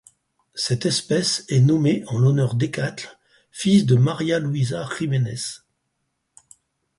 Cette espèce est nommée en l'honneur d'Ecatl, fils de Maria-Luisa Jiménez.